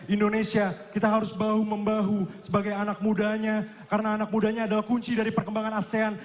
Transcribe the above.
indonesia kita harus bahu membahu sebagai anak mudanya karena anak mudanya adalah kunci dari perkembangan asean